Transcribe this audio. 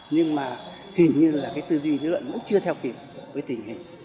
nhưng mà hình như là cái tư duy lý luận vẫn chưa theo kịp với tình hình